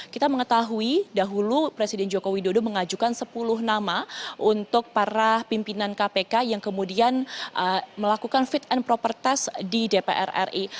kita mengetahui dahulu presiden joko widodo mengajukan sepuluh nama untuk para pimpinan kpk yang kemudian melakukan fit and proper test di dpr ri